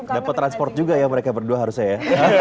dapat transport juga ya mereka berdua harusnya ya